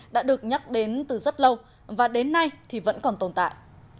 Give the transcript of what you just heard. đã được nhắc đến từ rất lâu và đến nay thì vẫn còn tồn tại